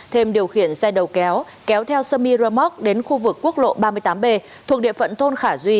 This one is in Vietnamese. thêm điều khiển xe đầu kéo kéo theo semi ramok đến khu vực quốc lộ ba mươi tám b thuộc địa phận thôn khả duy